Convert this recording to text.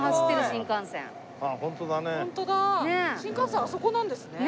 新幹線あそこなんですね。